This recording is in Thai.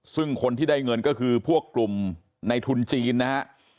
ซึ่งคนที่ได้เงินก็คือพวกกลุ่มในทุนจีนนะฮะ